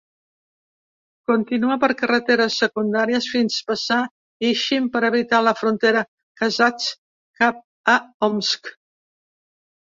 Continua per carreteres secundàries fins a passar Ishim per evitar la frontera kazakh cap a Omsk.